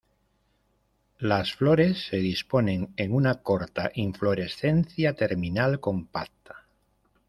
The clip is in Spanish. Las flores se disponen en una corta inflorescencia terminal, compacta.